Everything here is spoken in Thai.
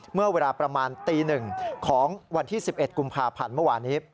เมื่อเวลาประมาณตี๑ของวันที่๑๑กุมภาพันธ์เมื่อวานี้